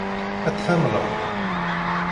Ad t-tamneḍ?